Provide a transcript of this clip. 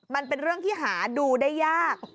มันเป็นเรื่องที่หาดูได้ยาก